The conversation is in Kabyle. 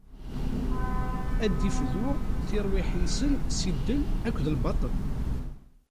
Ad d-ifdu tirwiḥin-nsen si ddel akked lbaṭel.